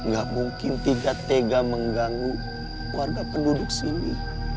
gak mungkin tiga tega mengganggu warga penduduk sini